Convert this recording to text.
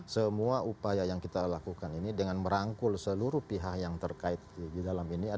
semua upaya yang kita lakukan ini dengan merangkul seluruh pihak yang terkait di dalam ini